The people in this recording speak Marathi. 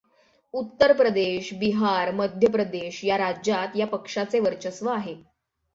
उत्तर प्रदेश, बिहार, मध्य प्रदेश या राज्यात या पक्षाचे वर्चस्व आहे.